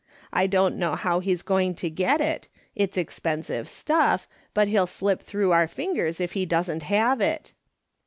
I don't know how he's going to get it. It's expensive stuff, but he'll slip tlirough our fingers if he doesn't have it.'